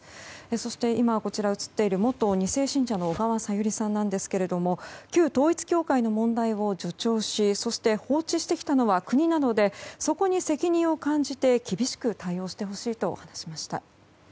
そして今、映っている元２世信者の小川さゆりさんなんですが旧統一教会の問題を助長し放置してきたのは国なので、そこに責任を感じて厳しく対応してほしいと話しました。